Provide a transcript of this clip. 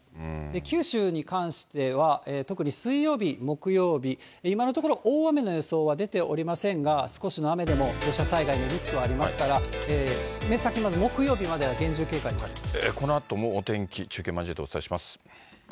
九州に関しては、特に水曜日、木曜日、今のところ、大雨の予想は出ておりませんが、少しの雨でも土砂災害のリスクはありますから、目先、まず木曜日このあともお天気、中継交えてお伝えします。